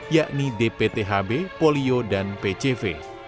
yakni dpthb polio dan pcv